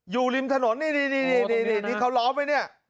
อยู่ริมถนนนี่ที่เขาล้อมไว้เนี่ย